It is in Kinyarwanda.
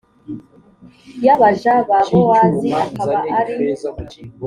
y abaja ba bowazi akaba ari